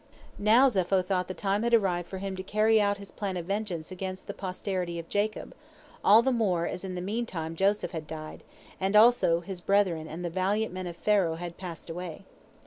Now Zepho thought the time had arrived for him to carry out his plan of vengeance against the posterity of Jacob, all the more as in the meantime Joseph had died, and also his brethren and the valiant men of Pharaoh had passed away.